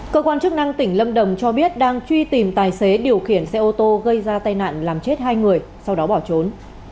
cơ quan chức năng tỉnh lâm đồng cho biết đang truy tìm tài xế điều khiển xe ô tô gây ra tai nạn làm chết hai người sau đó bỏ trốn